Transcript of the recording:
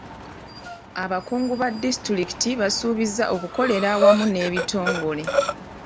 Abakungu ba disitulikiti baasuubiza okukolera awamu n'ebitongole.